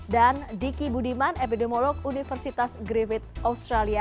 dan diki budiman epidemiolog universitas griffith australia